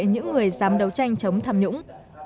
những người dám đấu tranh chống tham nhũng